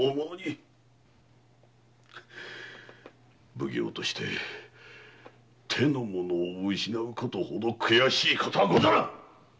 奉行として手の者を失うことほど悔しいことはござらん‼